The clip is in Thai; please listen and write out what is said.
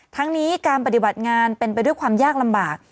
ทั้งนี้การปฏิบัติงานเป็นไปด้วยความยากลำบาก